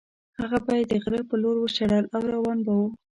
هغه به یې د غره په لور وشړل او روان به وو.